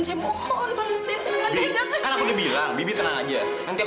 saya mohon den jangan den